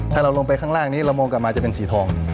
ถ้าเราลงไปข้างล่างนี้เรามองกลับมาจะเป็นสีทอง